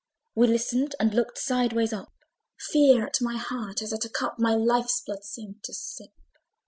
We listened and looked sideways up! Fear at my heart, as at a cup, My life blood seemed to sip!